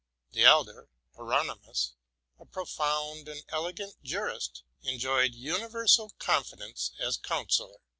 The elder, Hieronymus, a profound and elegant jurist, enjoyed universal confidence as counsellor.